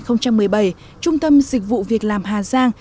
thực hiện đối tượng trung tâm dịch vụ việc làm hà giang